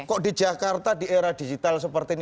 kok di jakarta di era digital seperti ini